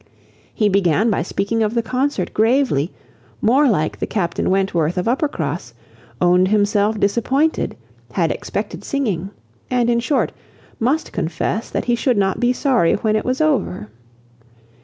He began by speaking of the concert gravely, more like the Captain Wentworth of Uppercross; owned himself disappointed, had expected singing; and in short, must confess that he should not be sorry when it was over.